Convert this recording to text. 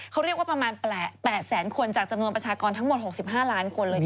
เขาเรียกว่าประมาณ๘แสนคนจากจำนวนประชากรทั้งหมด๖๕ล้านคนเลย